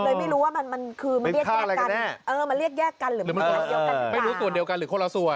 เลยไม่รู้ว่ามันมันคือมันเรียกแยกกันเออมันเรียกแยกกันหรือมันไม่รู้ส่วนเดียวกันหรือคนละส่วน